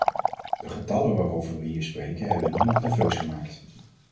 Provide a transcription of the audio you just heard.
De getallen waarover we hier spreken hebben niemand nerveus gemaakt.